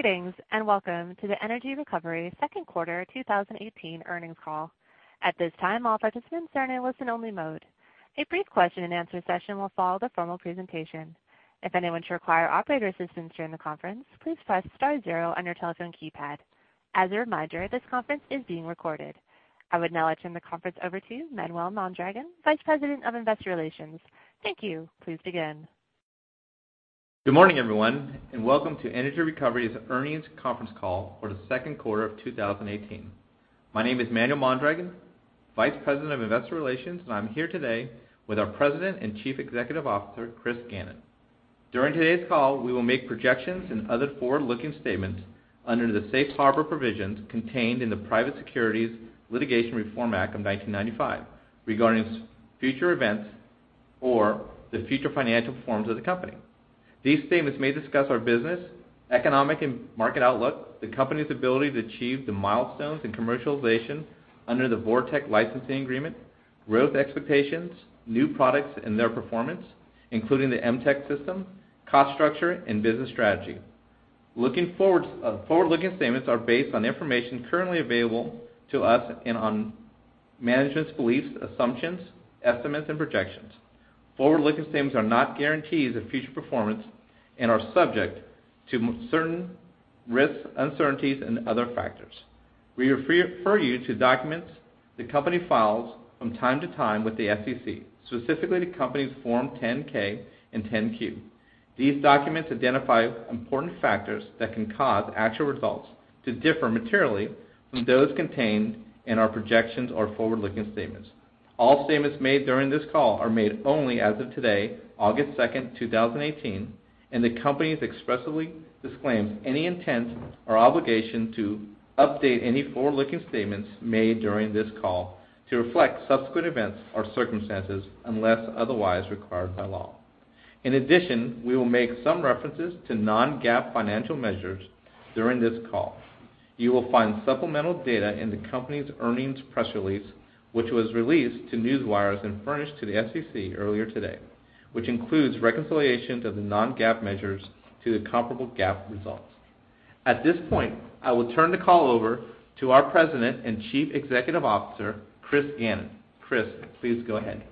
Greetings. Welcome to the Energy Recovery second quarter 2018 earnings call. At this time, all participants are in a listen-only mode. A brief question-and-answer session will follow the formal presentation. If anyone should require operator assistance during the conference, please press star zero on your telephone keypad. As a reminder, this conference is being recorded. I would now turn the conference over to Manuel Mondragon, Vice President of Investor Relations. Thank you. Please begin. Good morning, everyone. Welcome to Energy Recovery's earnings conference call for the second quarter of 2018. My name is Manuel Mondragon, Vice President of Investor Relations, and I'm here today with our President and Chief Executive Officer, Chris Gannon. During today's call, we will make projections and other forward-looking statements under the safe harbor provisions contained in the Private Securities Litigation Reform Act of 1995 regarding future events or the future financial performance of the company. These statements may discuss our business, economic, and market outlook, the company's ability to achieve the milestones and commercialization under the VorTeq licensing agreement, growth expectations, new products and their performance, including the MTeq system, cost structure, and business strategy. Forward-looking statements are based on information currently available to us and on management's beliefs, assumptions, estimates, and projections. Forward-looking statements are not guarantees of future performance and are subject to certain risks, uncertainties, and other factors. We refer you to documents the company files from time to time with the SEC, specifically the company's Form 10-K and 10-Q. These documents identify important factors that can cause actual results to differ materially from those contained in our projections or forward-looking statements. All statements made during this call are made only as of today, August 2nd, 2018, and the company expressly disclaims any intent or obligation to update any forward-looking statements made during this call to reflect subsequent events or circumstances, unless otherwise required by law. In addition, we will make some references to non-GAAP financial measures during this call. You will find supplemental data in the company's earnings press release, which was released to newswire and furnished to the SEC earlier today, which includes reconciliations of the non-GAAP measures to the comparable GAAP results. At this point, I will turn the call over to our President and Chief Executive Officer, Chris Gannon. Chris, please go ahead.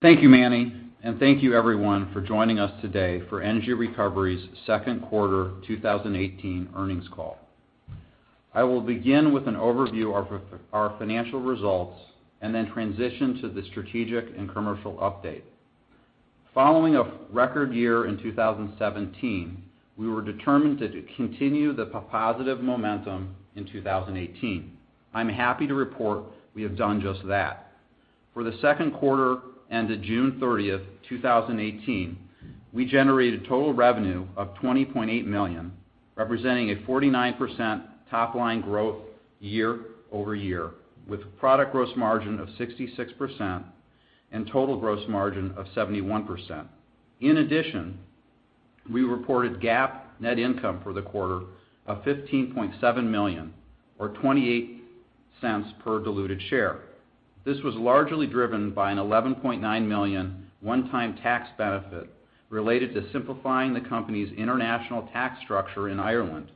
Thank you, Manny. Thank you, everyone, for joining us today for Energy Recovery's second quarter 2018 earnings call. I will begin with an overview of our financial results and then transition to the strategic and commercial update. Following a record year in 2017, we were determined to continue the positive momentum in 2018. I'm happy to report we have done just that. For the second quarter ended June 30th, 2018, we generated total revenue of $20.8 million, representing a 49% top-line growth year-over-year, with product gross margin of 66% and total gross margin of 71%. In addition, we reported GAAP net income for the quarter of $15.7 million or $0.28 per diluted share. This was largely driven by an $11.9 million one-time tax benefit related to simplifying the company's international tax structure in Ireland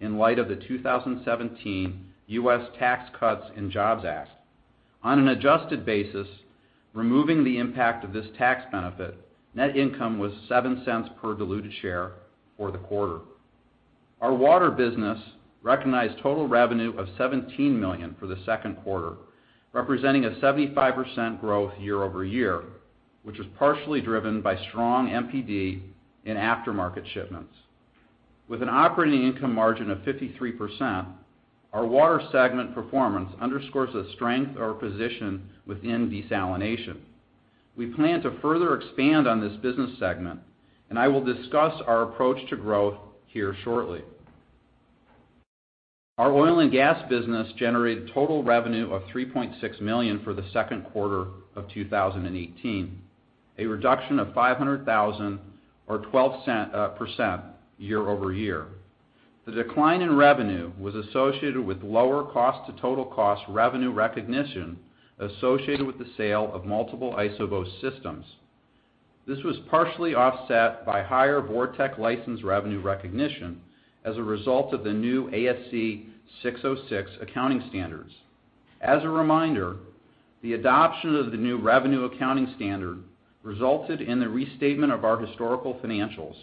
in light of the 2017 U.S. Tax Cuts and Jobs Act. On an adjusted basis, removing the impact of this tax benefit, net income was $0.07 per diluted share for the quarter. Our water business recognized total revenue of $17 million for the second quarter, representing a 75% growth year-over-year, which was partially driven by strong MPD in aftermarket shipments. With an operating income margin of 53%, our water segment performance underscores the strength of our position within desalination. We plan to further expand on this business segment, and I will discuss our approach to growth here shortly. Our oil and gas business generated total revenue of $3.6 million for the second quarter of 2018, a reduction of $500,000 or 12% year-over-year. The decline in revenue was associated with lower cost to total cost revenue recognition associated with the sale of multiple IsoBoost systems. This was partially offset by higher VorTeq license revenue recognition as a result of the new ASC 606 accounting standards. As a reminder, the adoption of the new revenue accounting standard resulted in the restatement of our historical financials,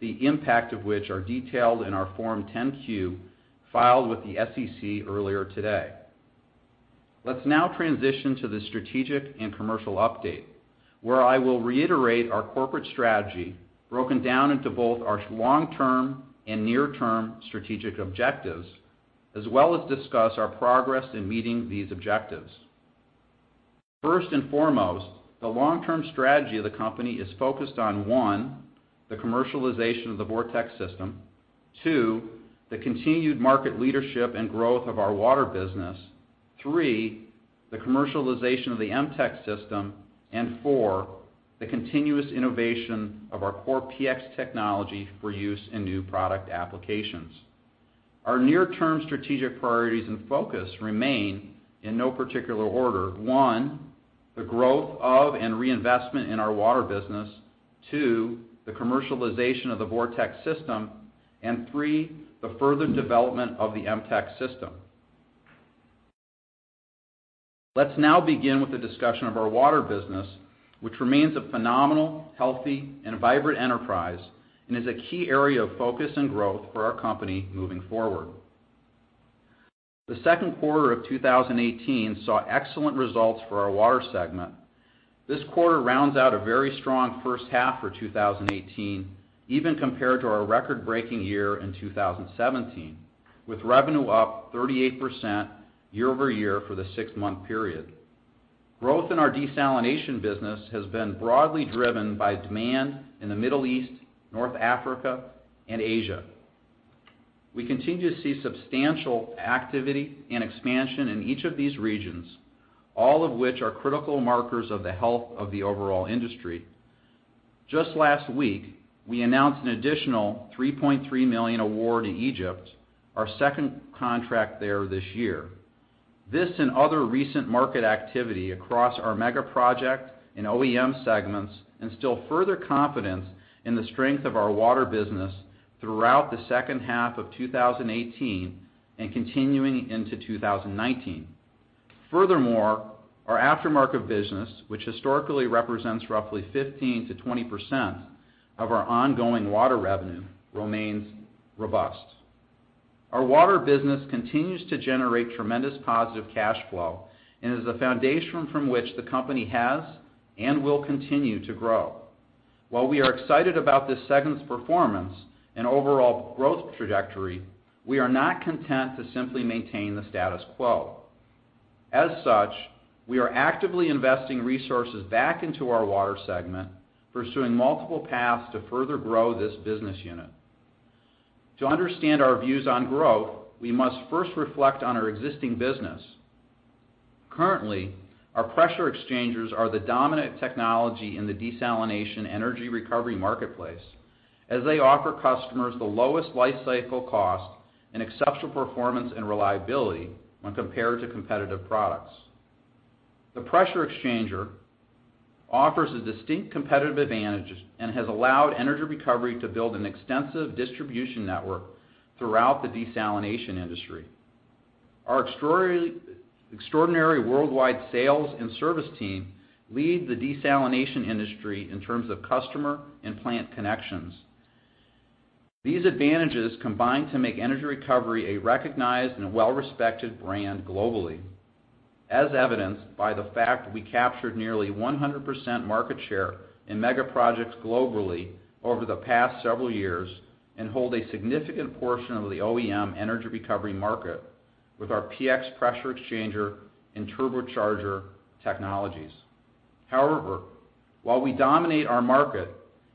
the impact of which are detailed in our Form 10-Q filed with the SEC earlier today. Let's now transition to the strategic and commercial update, where I will reiterate our corporate strategy broken down into both our long-term and near-term strategic objectives, as well as discuss our progress in meeting these objectives. First and foremost, the long-term strategy of the company is focused on, one, the commercialization of the VorTeq system, two, the continued market leadership and growth of our water business, three, the commercialization of the MTeq system, and four, the continuous innovation of our core PX technology for use in new product applications. Our near-term strategic priorities and focus remain, in no particular order: one, the growth of and reinvestment in our water business; two, the commercialization of the VorTeq system; and three, the further development of the MTeq system. Let's now begin with the discussion of our water business, which remains a phenomenal, healthy, and vibrant enterprise and is a key area of focus and growth for our company moving forward. The second quarter of 2018 saw excellent results for our water segment. This quarter rounds out a very strong first half for 2018, even compared to our record-breaking year in 2017, with revenue up 38% year-over-year for the six-month period. Growth in our desalination business has been broadly driven by demand in the Middle East, North Africa, and Asia. We continue to see substantial activity and expansion in each of these regions, all of which are critical markers of the health of the overall industry. Just last week, we announced an additional $3.3 million award in Egypt, our second contract there this year. This and other recent market activity across our mega-project and OEM segments instill further confidence in the strength of our water business throughout the second half of 2018 and continuing into 2019. Our aftermarket business, which historically represents roughly 15%-20% of our ongoing water revenue, remains robust. Our water business continues to generate tremendous positive cash flow and is the foundation from which the company has and will continue to grow. While we are excited about this segment's performance and overall growth trajectory, we are not content to simply maintain the status quo. We are actively investing resources back into our water segment, pursuing multiple paths to further grow this business unit. To understand our views on growth, we must first reflect on our existing business. Currently, our pressure exchangers are the dominant technology in the desalination energy recovery marketplace, as they offer customers the lowest lifecycle cost and exceptional performance and reliability when compared to competitive products. The pressure exchanger offers a distinct competitive advantage and has allowed Energy Recovery to build an extensive distribution network throughout the desalination industry. Our extraordinary worldwide sales and service team lead the desalination industry in terms of customer and plant connections. These advantages combine to make Energy Recovery a recognized and well-respected brand globally, as evidenced by the fact we captured nearly 100% market share in mega-projects globally over the past several years and hold a significant portion of the OEM energy recovery market with our PX pressure exchanger and turbocharger technologies. While we dominate our market,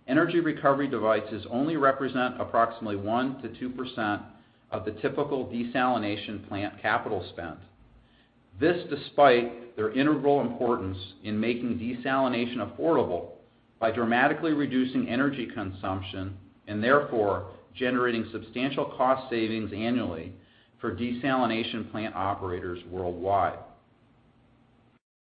energy recovery devices only represent approximately 1%-2% of the typical desalination plant capital spend. This despite their integral importance in making desalination affordable by dramatically reducing energy consumption and therefore generating substantial cost savings annually for desalination plant operators worldwide.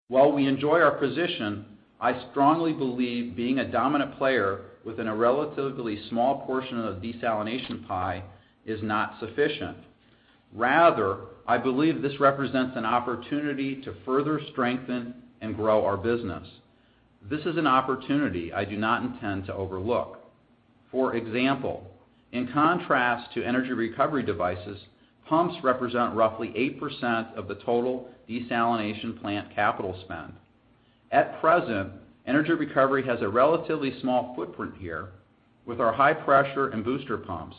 While we enjoy our position, I strongly believe being a dominant player within a relatively small portion of the desalination pie is not sufficient. I believe this represents an opportunity to further strengthen and grow our business. This is an opportunity I do not intend to overlook. For example, in contrast to energy recovery devices, pumps represent roughly 8% of the total desalination plant capital spend. At present, Energy Recovery has a relatively small footprint here with our high-pressure and booster pumps,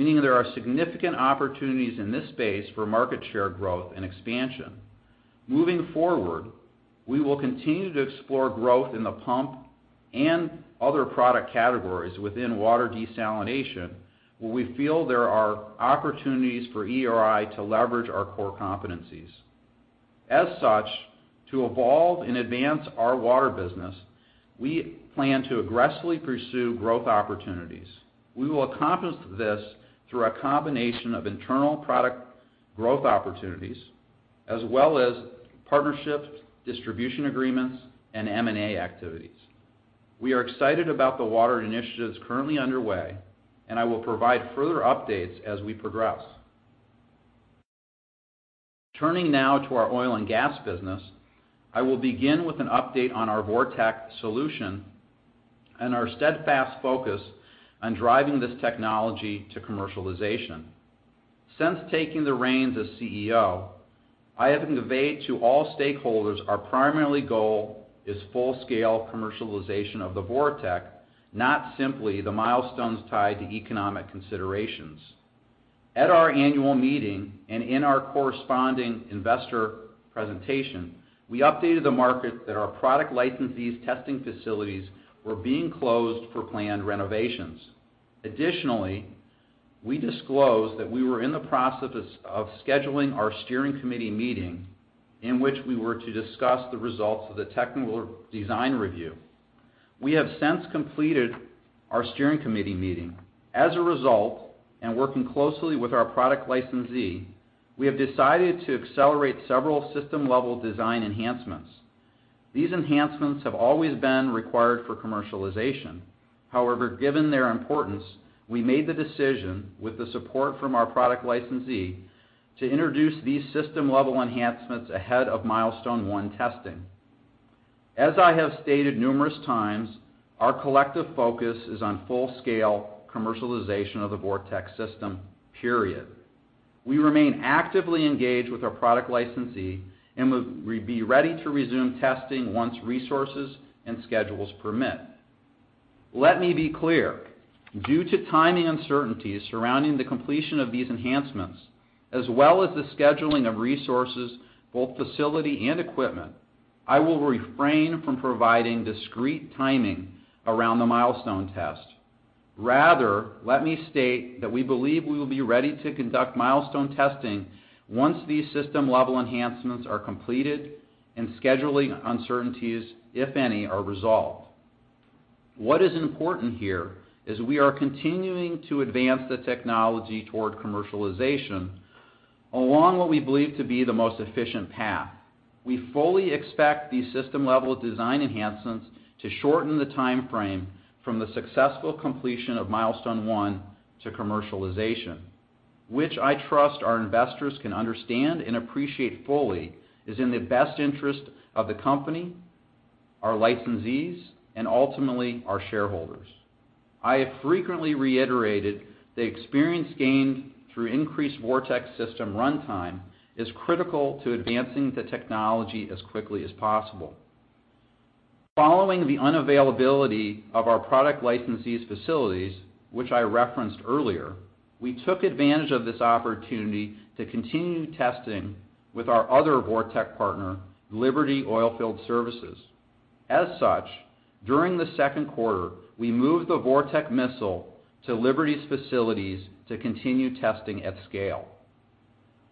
meaning there are significant opportunities in this space for market share growth and expansion. Moving forward, we will continue to explore growth in the pump and other product categories within water desalination, where we feel there are opportunities for ERI to leverage our core competencies. To evolve and advance our water business, we plan to aggressively pursue growth opportunities. We will accomplish this through a combination of internal product growth opportunities as well as partnerships, distribution agreements, and M&A activities. We are excited about the water initiatives currently underway, and I will provide further updates as we progress. Turning now to our oil and gas business, I will begin with an update on our VorTeq solution and our steadfast focus on driving this technology to commercialization. Since taking the reins as CEO, I have conveyed to all stakeholders our primary goal is full-scale commercialization of the VorTeq, not simply the milestones tied to economic considerations. At our annual meeting and in our corresponding investor presentation, we updated the market that our product licensees' testing facilities were being closed for planned renovations. Additionally, we disclosed that we were in the process of scheduling our steering committee meeting in which we were to discuss the results of the technical design review. We have since completed our steering committee meeting. As a result, and working closely with our product licensee, we have decided to accelerate several system-level design enhancements. These enhancements have always been required for commercialization. Given their importance, we made the decision, with the support from our product licensee, to introduce these system-level enhancements ahead of milestone 1 testing. As I have stated numerous times, our collective focus is on full-scale commercialization of the VorTeq system, period. We remain actively engaged with our product licensee, and we'll be ready to resume testing once resources and schedules permit. Let me be clear. Due to timing uncertainties surrounding the completion of these enhancements, as well as the scheduling of resources, both facility and equipment, I will refrain from providing discrete timing around the milestone test. Let me state that we believe we will be ready to conduct milestone testing once these system-level enhancements are completed and scheduling uncertainties, if any, are resolved. What is important here is we are continuing to advance the technology toward commercialization along what we believe to be the most efficient path. We fully expect these system-level design enhancements to shorten the timeframe from the successful completion of milestone 1 to commercialization, which I trust our investors can understand and appreciate fully is in the best interest of the company, our licensees, and ultimately, our shareholders. I have frequently reiterated the experience gained through increased VorTeq system runtime is critical to advancing the technology as quickly as possible. Following the unavailability of our product licensee's facilities, which I referenced earlier, we took advantage of this opportunity to continue testing with our other VorTeq partner, Liberty Oilfield Services. As such, during the second quarter, we moved the VorTeq missile to Liberty's facilities to continue testing at scale.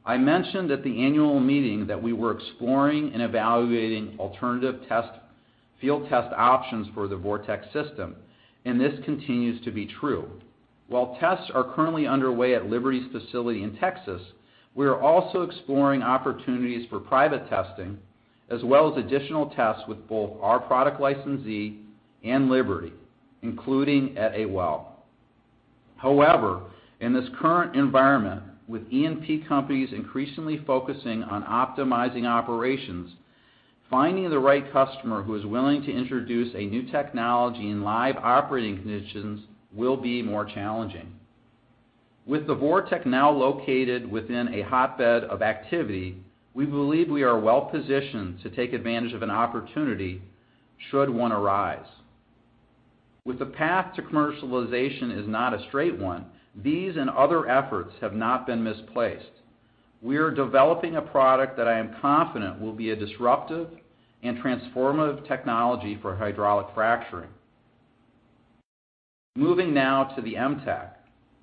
I mentioned at the annual meeting that we were exploring and evaluating alternative field test options for the VorTeq system, and this continues to be true. While tests are currently underway at Liberty's facility in Texas, we are also exploring opportunities for private testing, as well as additional tests with both our product licensee and Liberty, including at a well. In this current environment, with E&P companies increasingly focusing on optimizing operations, finding the right customer who is willing to introduce a new technology in live operating conditions will be more challenging. With the VorTeq now located within a hotbed of activity, we believe we are well-positioned to take advantage of an opportunity, should one arise. With the path to commercialization is not a straight one, these and other efforts have not been misplaced. We are developing a product that I am confident will be a disruptive and transformative technology for hydraulic fracturing. Moving now to the MTeq.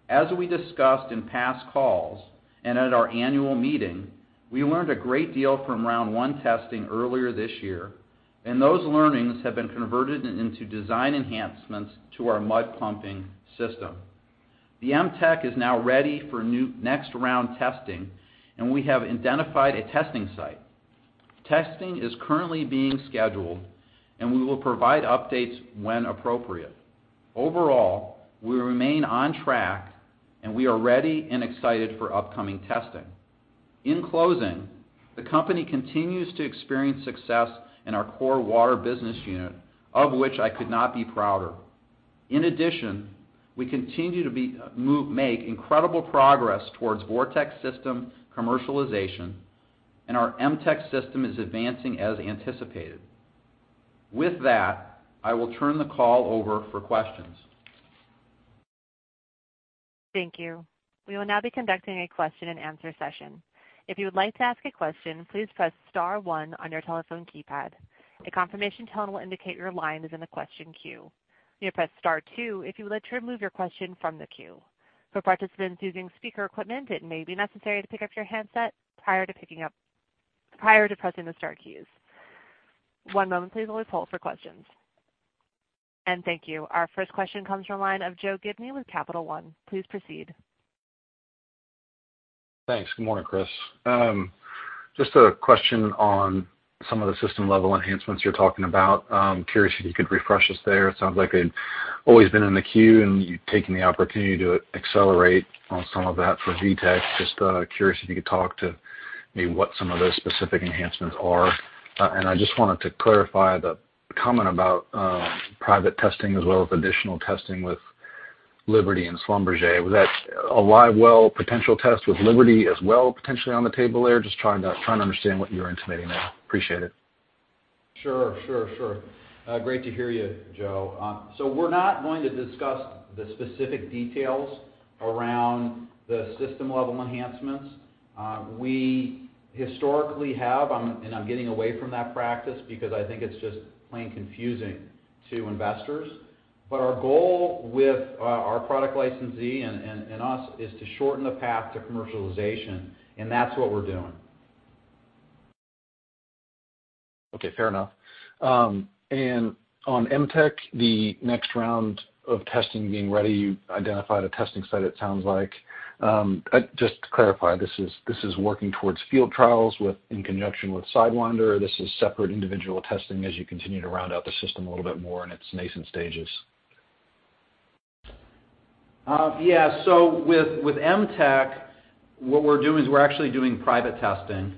As we discussed in past calls and at our annual meeting, we learned a great deal from round 1 testing earlier this year, and those learnings have been converted into design enhancements to our mud pumping system. The MTeq is now ready for next round testing, and we have identified a testing site. Testing is currently being scheduled, and we will provide updates when appropriate. Overall, we remain on track, and we are ready and excited for upcoming testing. In closing, the company continues to experience success in our core water business unit, of which I could not be prouder. In addition, we continue to make incredible progress towards VorTeq system commercialization, and our MTeq system is advancing as anticipated. With that, I will turn the call over for questions. Thank you. We will now be conducting a question and answer session. If you would like to ask a question, please press *1 on your telephone keypad. A confirmation tone will indicate your line is in the question queue. You may press *2 if you would like to remove your question from the queue. For participants using speaker equipment, it may be necessary to pick up your handset prior to pressing the star keys. One moment please while we poll for questions. Thank you. Our first question comes from the line of Joe Gibney with Capital One. Please proceed. Thanks. Good morning, Chris. Just a question on some of the system-level enhancements you're talking about. I'm curious if you could refresh us there. It sounds like they've always been in the queue, and you've taken the opportunity to accelerate on some of that for VorTeq. Just curious if you could talk to maybe what some of those specific enhancements are. I just wanted to clarify the comment about private testing as well as additional testing with Liberty and Schlumberger. Was that a live well potential test with Liberty as well, potentially on the table there? Just trying to understand what you're intimating there. Appreciate it. Sure. Great to hear you, Joe. We're not going to discuss the specific details around the system-level enhancements. We historically have, and I'm getting away from that practice because I think it's just plain confusing to investors. Our goal with our product licensee and us is to shorten the path to commercialization, and that's what we're doing Okay, fair enough. On MTeq, the next round of testing being ready, you identified a testing site, it sounds like. Just to clarify, this is working towards field trials in conjunction with Sidewinder. This is separate individual testing as you continue to round out the system a little bit more in its nascent stages. Yeah. With MTeq, what we're doing is we're actually doing private testing.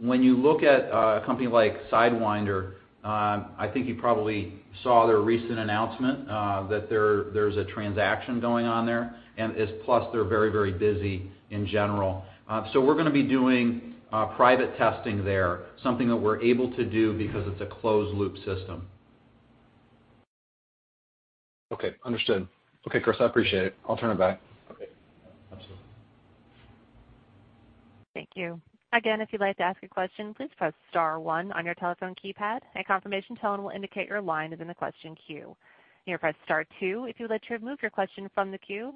When you look at a company like Sidewinder, I think you probably saw their recent announcement that there's a transaction going on there, and plus they're very busy in general. We're going to be doing private testing there, something that we're able to do because it's a closed loop system. Okay, understood. Okay, Chris, I appreciate it. I'll turn it back. Okay. Absolutely. Thank you. Again, if you'd like to ask a question, please press star one on your telephone keypad. A confirmation tone will indicate your line is in the question queue. You may press star two if you would like to remove your question from the queue.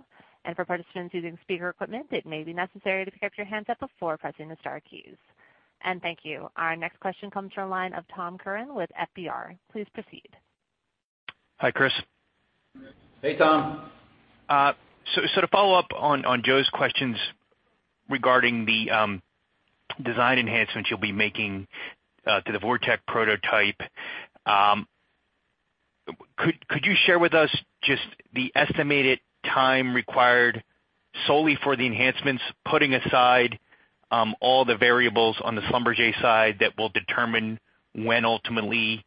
For participants using speaker equipment, it may be necessary to pick up your handset before pressing the star keys. Thank you. Our next question comes from the line of Tom Curran with FBR. Please proceed. Hi, Chris. Hey, Tom. To follow up on Joe's questions regarding the design enhancements you'll be making to the VorTeq prototype, could you share with us just the estimated time required solely for the enhancements, putting aside all the variables on the Schlumberger side that will determine when ultimately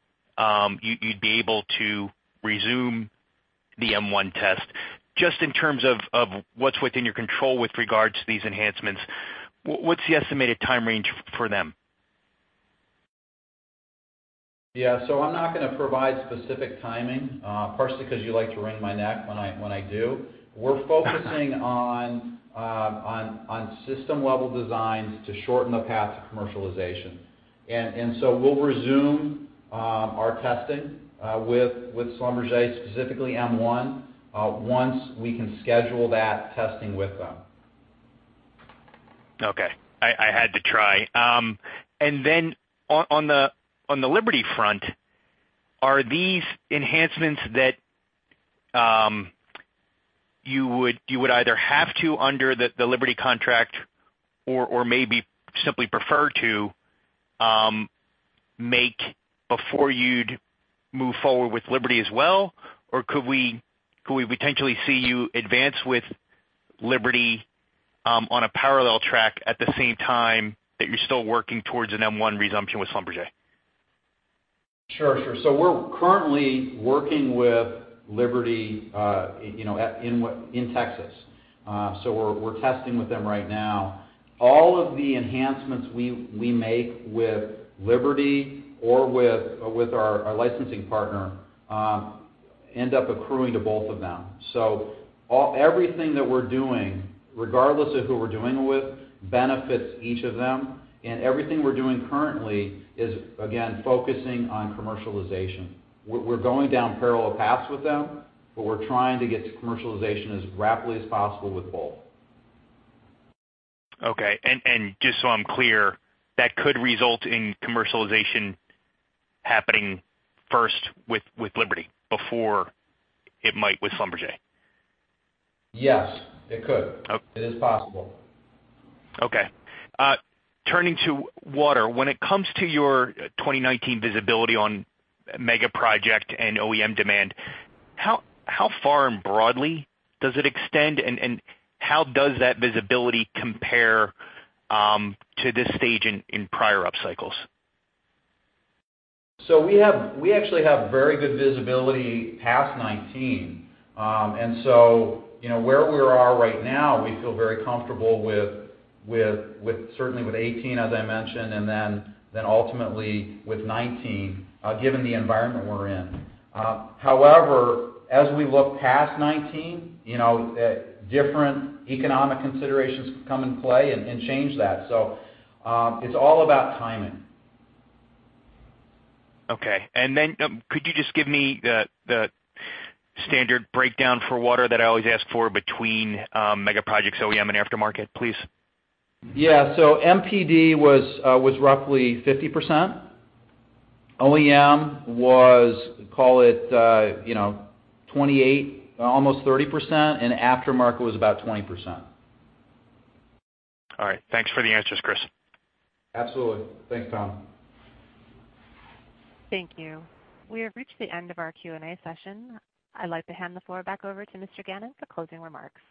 you'd be able to resume the M1 test, just in terms of what's within your control with regards to these enhancements. What's the estimated time range for them? Yeah. I'm not going to provide specific timing, partially because you like to wring my neck when I do. We're focusing on system level designs to shorten the path to commercialization. We'll resume our testing with Schlumberger, specifically M1, once we can schedule that testing with them. Okay. I had to try. On the Liberty front, are these enhancements that you would either have to under the Liberty contract or maybe simply prefer to make before you'd move forward with Liberty as well? Could we potentially see you advance with Liberty on a parallel track at the same time that you're still working towards an M1 resumption with Schlumberger? Sure. We're currently working with Liberty in Texas. We're testing with them right now. All of the enhancements we make with Liberty or with our licensing partner end up accruing to both of them. Everything that we're doing, regardless of who we're doing it with, benefits each of them. Everything we're doing currently is, again, focusing on commercialization. We're going down parallel paths with them, but we're trying to get to commercialization as rapidly as possible with both. Okay. Just so I'm clear, that could result in commercialization happening first with Liberty before it might with Schlumberger? Yes. It could. Okay. It is possible. Okay. Turning to water, when it comes to your 2019 visibility on mega project and OEM demand, how far and broadly does it extend, and how does that visibility compare to this stage in prior up cycles? We actually have very good visibility past 2019. Where we are right now, we feel very comfortable certainly with 2018, as I mentioned, and then ultimately with 2019, given the environment we're in. However, as we look past 2019, different economic considerations could come in play and change that. It's all about timing. Okay. Could you just give me the standard breakdown for water that I always ask for between mega projects, OEM, and aftermarket, please? Yeah. MPD was roughly 50%, OEM was, call it, 28%, almost 30%, and aftermarket was about 20%. All right. Thanks for the answers, Chris. Absolutely. Thanks, Tom. Thank you. We have reached the end of our Q&A session. I'd like to hand the floor back over to Mr. Gannon for closing remarks.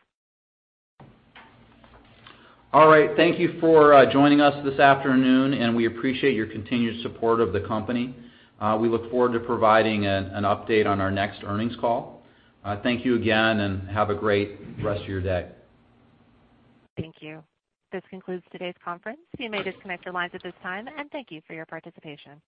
All right. Thank you for joining us this afternoon, and we appreciate your continued support of the company. We look forward to providing an update on our next earnings call. Thank you again, and have a great rest of your day. Thank you. This concludes today's conference. You may disconnect your lines at this time, and thank you for your participation.